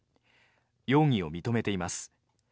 容疑を認めています。